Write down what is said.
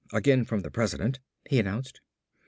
"Again from the President," he announced.